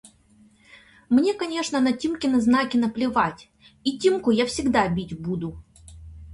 – Мне, конечно, на Тимкины знаки наплевать, и Тимку я всегда бить буду…